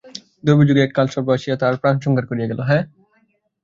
দৈবযোগে এক কালসর্প আসিয়া দংশিয়া তাহার প্রাণসংহার করিয়া গেল।